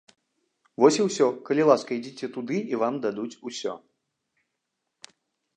Вось і ўсё, калі ласка, ідзіце туды і вам дадуць усё!